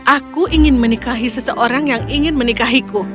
aku ingin menikahi seseorang yang ingin menikahiku